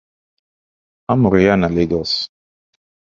Amuru ya na Lagos.